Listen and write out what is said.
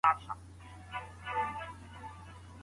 په لاس خط لیکل د ناممکنو شیانو د ممکن کولو پیل دی.